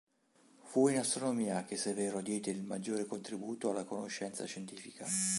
Fu in astronomia che Severo diede il maggiore contributo alla conoscenza scientifica.